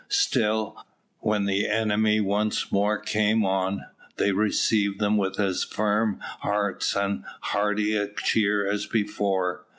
Still, when the enemy once more came on, they received them with as firm hearts and as hearty a cheer as before.